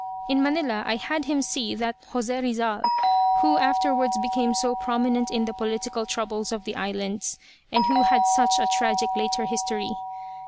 In Manila I had him see that Jose Rizal who afterwards became so prominent in the political troubles of the islands, and who had such a tragic later history.